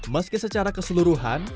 meski secara keseluruhan